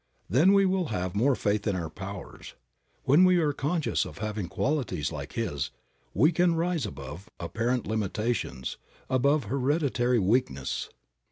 Then we will have more faith in our powers. When we are conscious of having qualities like His we can rise above apparent limitations, above hereditary weakness.